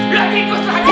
lagi terus lagi